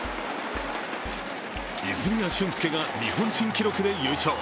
泉谷駿介が日本新記録で優勝。